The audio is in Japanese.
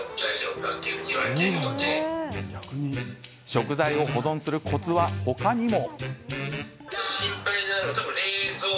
食材を保存するコツは他にも。